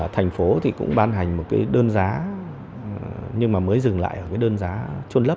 thành phố thì cũng ban hành một cái đơn giá nhưng mà mới dừng lại ở cái đơn giá trôn lấp